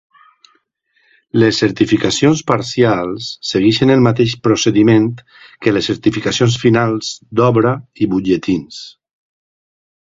Les certificacions parcials segueixen el mateix procediment que les certificacions finals d'obra i butlletins.